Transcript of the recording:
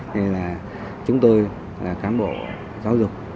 nên là chúng tôi là cán bộ giáo dục